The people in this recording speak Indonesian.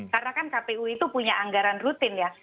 karena kan kpu itu punya anggaran rutin ya